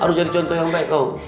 harus jadi contoh yang baik kok